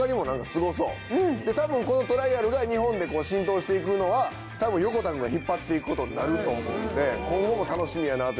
多分このトライアルが日本で浸透していくのは横田君が引っ張っていくことになると思うんで今後も楽しみやなと。